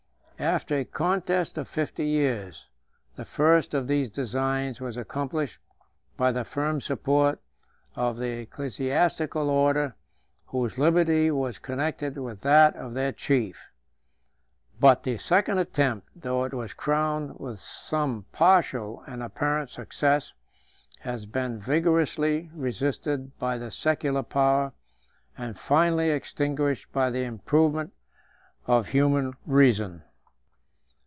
After a contest of fifty years, the first of these designs was accomplished by the firm support of the ecclesiastical order, whose liberty was connected with that of their chief. But the second attempt, though it was crowned with some partial and apparent success, has been vigorously resisted by the secular power, and finally extinguished by the improvement of human reason.